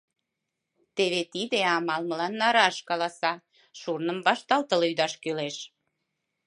Теве тиде амал мыланна раш каласа: шурным вашталтыл ӱдаш кӱлеш.